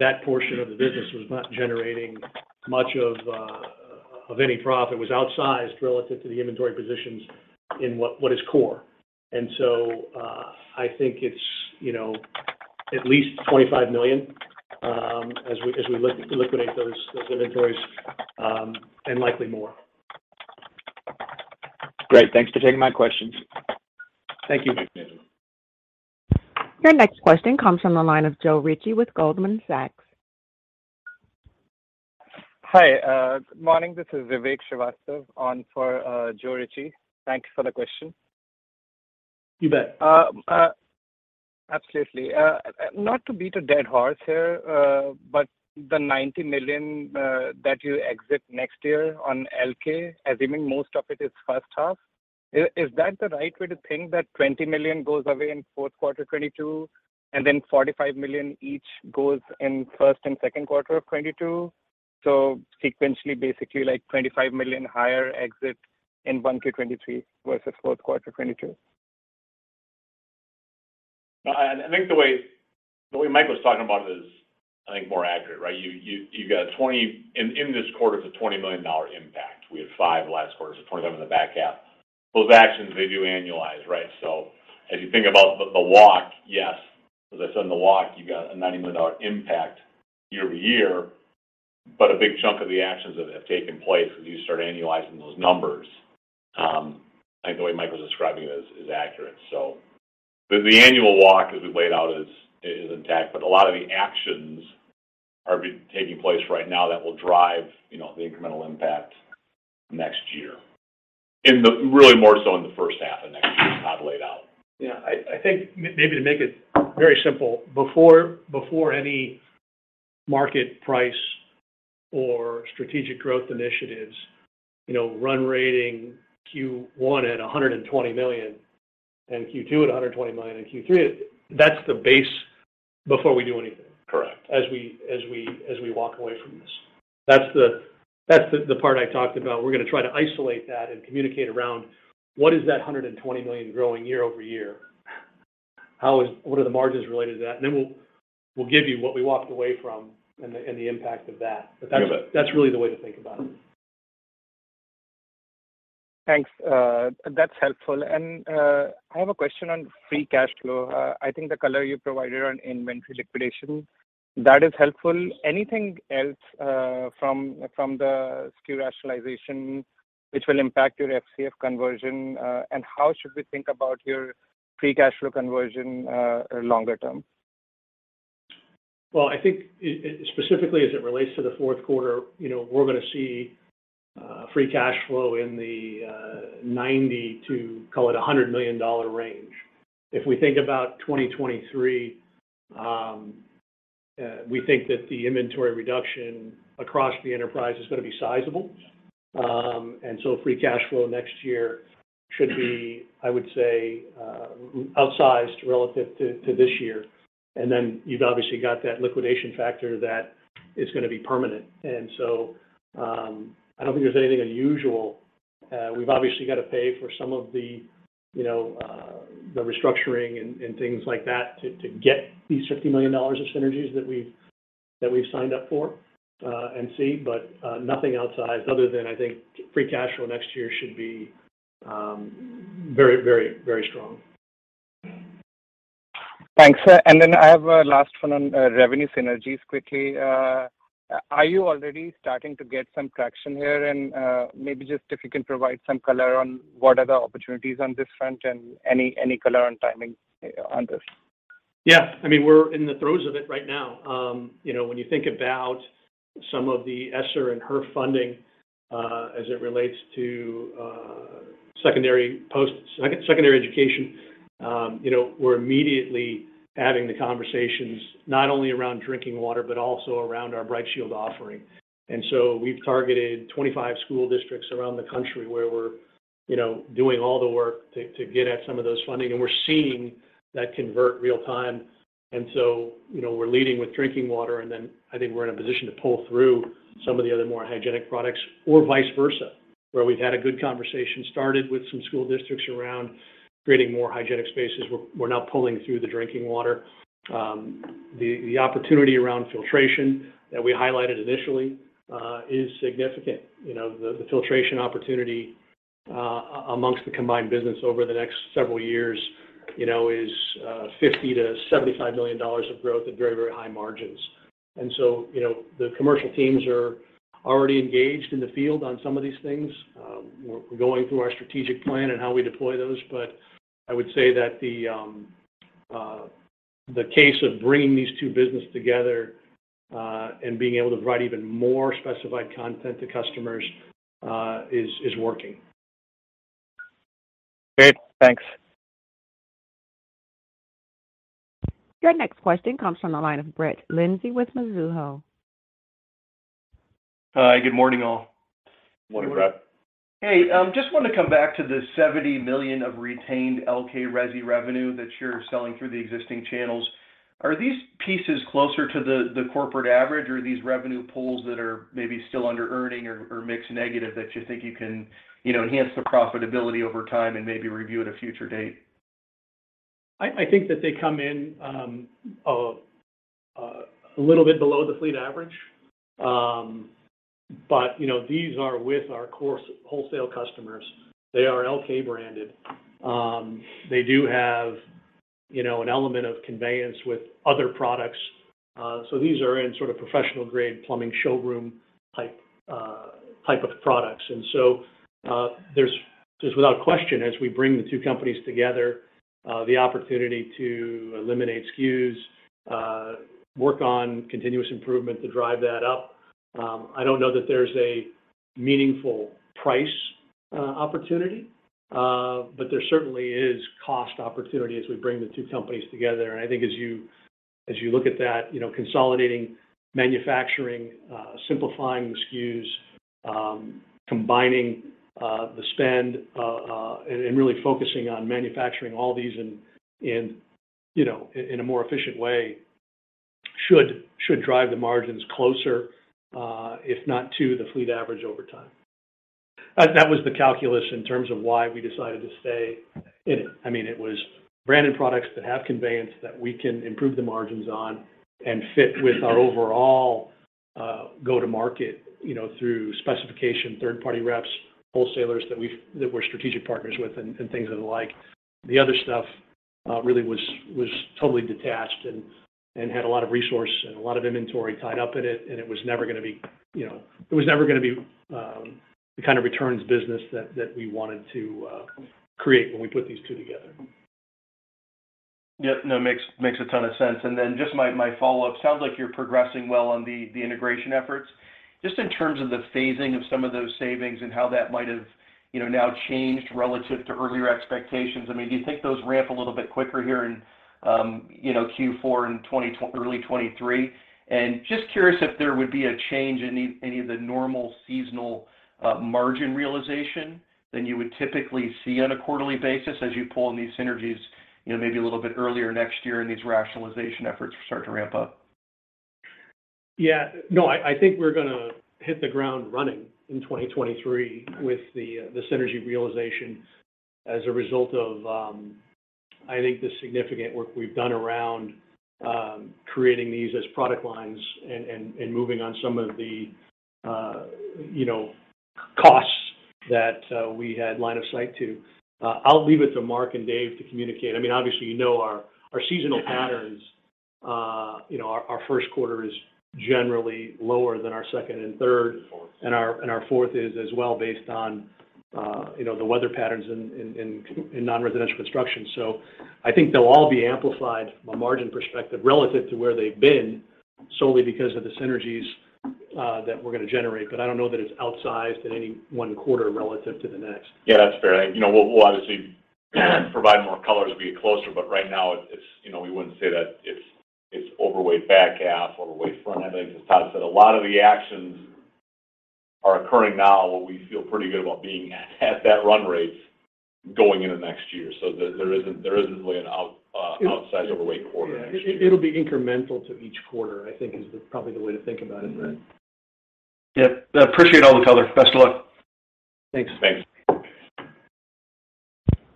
that portion of the business was not generating much of any profit. It was outsized relative to the inventory positions in what is core. I think it's, you know, at least $25 million as we liquidate those inventories, and likely more. Great. Thanks for taking my questions. Thank you. Your next question comes from the line of Joe Ritchie with Goldman Sachs. Hi. Good morning. This is Vivek Srivastava on for Joe Ritchie. Thanks for the question. You bet. Absolutely. Not to beat a dead horse here, but the $90 million that you exit next year on Elkay, assuming most of it is first half, is that the right way to think that $20 million goes away in fourth quarter 2022 and then $45 million each goes in first and second quarter of 2022? Sequentially, basically like $25 million higher exit in 1Q 2023 versus fourth quarter 2022. I think the way Mike was talking about it is more accurate, right? You got a $20 million impact in this quarter. It's a $20 million impact. We had $5 million last quarter, so $20 million of them in the back half. Those actions, they do annualize, right? As you think about the walk, yes. As I said in the walk, you got a $90 million impact year over year. A big chunk of the actions that have taken place as you start annualizing those numbers, I think the way Mike was describing it is accurate. The annual walk as we've laid out is intact, but a lot of the actions are taking place right now that will drive, you know, the incremental impact next year. Really more so in the first half of next year as Todd laid out. Yeah. I think maybe to make it very simple, before any marketplace or strategic growth initiatives, you know, run rate in Q1 at $120 million and Q2 at $120 million and Q3, that's the base before we do anything. Correct. As we walk away from this. That's the part I talked about. We're gonna try to isolate that and communicate around what is that $120 million growing year-over-year? What are the margins related to that? Then we'll give you what we walked away from and the impact of that. Yeah. That's really the way to think about it. Thanks. That's helpful. I have a question on free cash flow. I think the color you provided on inventory liquidation, that is helpful. Anything else, from the SKU rationalization which will impact your FCF conversion? How should we think about your free cash flow conversion longer term? Well, I think specifically as it relates to the fourth quarter, you know, we're gonna see free cash flow in the $90 million-$100 million range. If we think about 2023, we think that the inventory reduction across the enterprise is gonna be sizable. Free cash flow next year should be, I would say, outsized relative to this year. Then you've obviously got that liquidation factor that is gonna be permanent. I don't think there's anything unusual. We've obviously got to pay for some of the, you know, the restructuring and things like that to get these $50 million of synergies that we've signed up for, and so. nothing outsized other than I think free cash flow next year should be very, very, very strong. Thanks. I have a last one on revenue synergies quickly. Are you already starting to get some traction here? Maybe just if you can provide some color on what are the opportunities on this front and any color on timing on this. Yeah, I mean, we're in the throes of it right now. You know, when you think about some of the ESSER and HEERF funding, as it relates to secondary education, you know, we're immediately having the conversations not only around drinking water, but also around our BrightShield offering. We've targeted 25 school districts around the country where we're, you know, doing all the work to get at some of those funding, and we're seeing that convert real time. You know, we're leading with drinking water, and then I think we're in a position to pull through some of the other more hygienic products or vice versa. Where we've had a good conversation started with some school districts around creating more hygienic spaces, we're now pulling through the drinking water. The opportunity around filtration that we highlighted initially is significant. You know, the filtration opportunity among the combined business over the next several years, you know, is $50 million-$75 million of growth at very, very high margins. You know, the commercial teams are already engaged in the field on some of these things. We're going through our strategic plan and how we deploy those. I would say that the case of bringing these two business together and being able to provide even more specified content to customers is working. Great. Thanks. Your next question comes from the line of Brett Linzey with Mizuho. Hi, good morning, all. Morning, Brett. Hey, just want to come back to the $70 million of retained Elkay resi revenue that you're selling through the existing channels. Are these pieces closer to the corporate average or these revenue pools that are maybe still under earning or mix negative that you think you can enhance the profitability over time and maybe review at a future date? I think that they come in a little bit below the fleet average. But you know these are with our core wholesale customers. They are Elkay branded. They do have you know an element of conveyance with other products. So these are in sort of professional-grade plumbing showroom-type of products. There's without question, as we bring the two companies together, the opportunity to eliminate SKUs, work on continuous improvement to drive that up. I don't know that there's a meaningful price opportunity, but there certainly is cost opportunity as we bring the two companies together. I think as you look at that, you know, consolidating manufacturing, simplifying the SKUs, combining the spend, and really focusing on manufacturing all these in, you know, in a more efficient way should drive the margins closer, if not to the fleet average over time. That was the calculus in terms of why we decided to stay in it. I mean, it was branded products that have conveyance that we can improve the margins on and fit with our overall, go to market, you know, through specification, third party reps, wholesalers that we're strategic partners with and things of the like. The other stuff really was totally detached and had a lot of resource and a lot of inventory tied up in it, and it was never gonna be, you know. It was never gonna be the kind of returns business that we wanted to create when we put these two together. Yeah. No, makes a ton of sense. Then just my follow-up. Sounds like you're progressing well on the integration efforts. Just in terms of the phasing of some of those savings and how that might have, you know, now changed relative to earlier expectations. I mean, do you think those ramp a little bit quicker here in, you know, Q4 and early 2023? Just curious if there would be a change in any of the normal seasonal margin realization than you would typically see on a quarterly basis as you pull in these synergies, you know, maybe a little bit earlier next year, and these rationalization efforts start to ramp up. Yeah. No, I think we're gonna hit the ground running in 2023 with the synergy realization as a result of I think the significant work we've done around creating these as product lines and moving on some of the you know, costs that we had line of sight to. I'll leave it to Mark and Dave to communicate. I mean, obviously, you know our seasonal patterns, you know, our first quarter is generally lower than our second and third, and our fourth is as well based on you know, the weather patterns in non-residential construction. I think they'll all be amplified from a margin perspective relative to where they've been solely because of the synergies that we're gonna generate. I don't know that it's outsized in any one quarter relative to the next. Yeah, that's fair. You know, we'll obviously provide more color as we get closer, but right now it's, you know, we wouldn't say that it's overweight back half or overweight front end. Like as Todd said, a lot of the actions are occurring now where we feel pretty good about being at that run rate going into next year. So there isn't really an outsized overweight quarter next year. It'll be incremental to each quarter, I think is probably the way to think about it, Brett. Yeah. Appreciate all the color. Best of luck. Thanks. Thanks.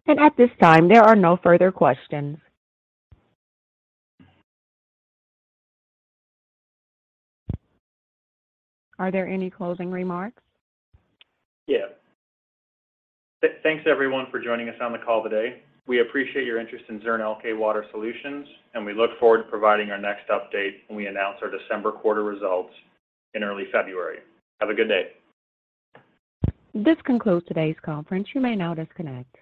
At this time, there are no further questions. Are there any closing remarks? Yeah. Thanks everyone for joining us on the call today. We appreciate your interest in Zurn Elkay Water Solutions, and we look forward to providing our next update when we announce our December quarter results in early February. Have a good day. This concludes today's conference. You may now disconnect.